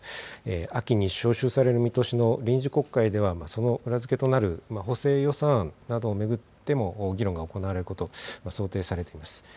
秋に召集される見通しの臨時国会では、その裏付けとなる補正予算案などを巡っても、議論が行われること、想定されています。